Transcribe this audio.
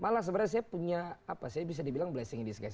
malah sebenarnya saya punya apa saya bisa dibilang blessing in disguise